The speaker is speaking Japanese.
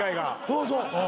そうそう。